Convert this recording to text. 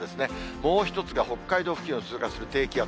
もう１つが北海道付近を通過する低気圧。